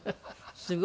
すごい。